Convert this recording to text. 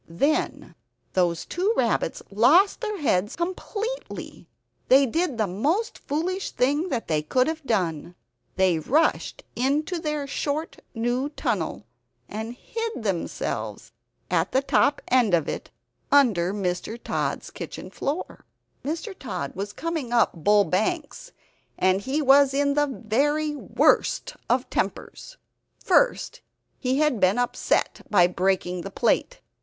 Then those two rabbits lost their heads completely. They did the most foolish thing that they could have done. They rushed into their short new tunnel, and hid themselves at the top end of it, under Mr. Tod's kitchen floor. Mr. Tod was coming up Bull Banks, and he was in the very worst of tempers. First he had been upset by breaking the plate.